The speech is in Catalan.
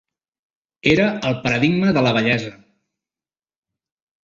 Era el paradigma de la bellesa.